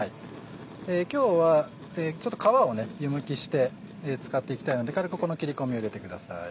今日は皮を湯むきして使っていきたいので軽くこの切り込みを入れてください。